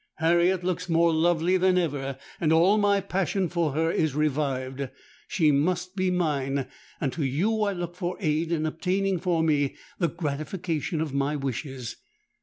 Harriet looks more lovely than ever; and all my passion for her is revived. She must be mine; and to you I look for aid in obtaining for me the gratification of my wishes.'